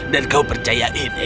dan kau percaya ini